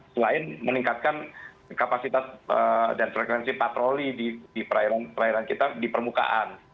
selain meningkatkan kapasitas dan frekuensi patroli di perairan kita di permukaan